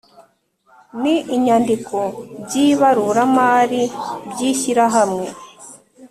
N inyandiko by ibaruramari by ishyirahamwe